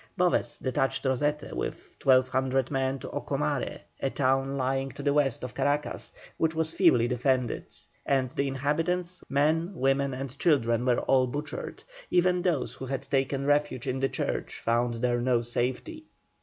Boves detached Rosete with 1,200 men to Ocumare, a town lying to the west of Caracas, which was feebly defended, and the inhabitants, men, women, and children, were all butchered; even those who had taken refuge in the church found there no safety.